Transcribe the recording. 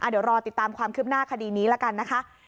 เดี๋ยวรอติดตามความคืบหน้าคดีนี้ละกันนะคะ